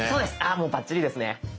あもうバッチリですね。